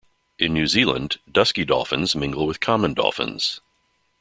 In New Zealand, dusky dolphins mingle with common dolphins.